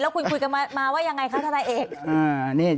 แล้วคุณคุยกันมาว่ายังไงครับท่าทายเอก